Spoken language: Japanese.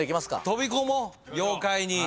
飛び込もう妖怪に。